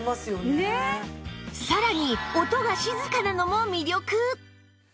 さらに音が静かなのも魅力！